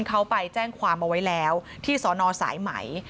เขาไปแจ้งความเอาไว้แล้วที่สอนอสายไหม